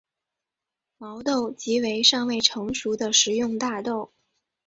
毛豆即为尚未成熟的食用大豆。